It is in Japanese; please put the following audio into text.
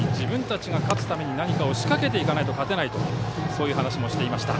自分たちが勝つために何かを仕掛けていかないと勝てないとそういう話もしていました。